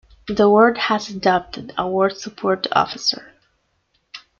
The ward has adopted a Ward Support Officer.